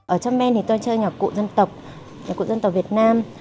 ở trong band thì tôi chơi nhạc cụ dân tộc nhạc cụ dân tộc việt nam